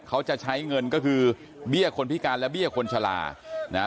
เขาจะใช้เงินก็คือเบี้ยคนพิการและเบี้ยคนชะลานะฮะ